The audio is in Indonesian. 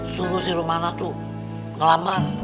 suruh si rumana tuh ngelaman